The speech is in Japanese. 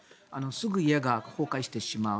すぐ家が崩壊してしまう。